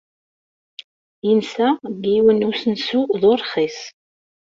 Yensa deg yiwen n usensu d urxis.